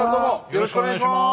よろしくお願いします。